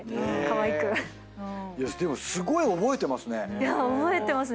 でもすごい覚えてますね。